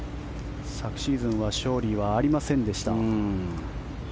昨シーズンは勝利はありませんでした。